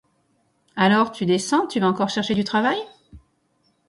Alors, tu descends, tu vas encore chercher du travail?